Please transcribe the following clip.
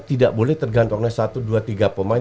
tidak boleh tergantung oleh satu dua tiga pemain